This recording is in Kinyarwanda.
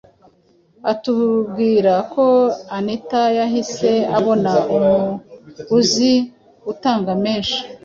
atubwira ko anita yahise abona umuguzi utanga menshi,